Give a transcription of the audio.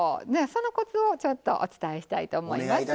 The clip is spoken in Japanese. そのコツをちょっとお伝えしたいと思います。